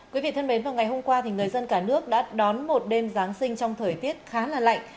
quý vị thân mến vào ngày hôm qua thì người dân cả nước đã đón một đêm giáng sinh trong thời tiết khá là lạnh